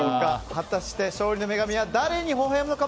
果たして勝利の女神は誰にほほ笑むのか。